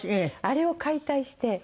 あれを解体して。